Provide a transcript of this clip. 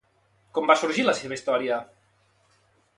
Com va sorgir la seva història?